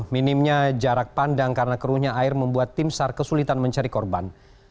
minimnya jarak pandang karena keruhnya air membuat tim sar kesulitan mencari korban